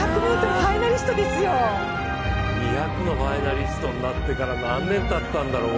２００のファイナリストになってから何年たったんだろう。